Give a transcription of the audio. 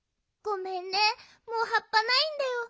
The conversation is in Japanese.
ごめんねもうはっぱないんだよ。